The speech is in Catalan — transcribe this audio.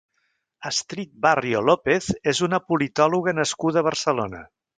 Astrid Barrio López és una politòloga nascuda a Barcelona.